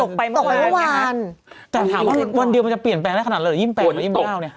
แต่ถามว่าวันเดียวมันจะเปลี่ยนแปลงได้ขนาดไหร่ยิ่มแปลงหรือยิ่มหนาวเนี่ย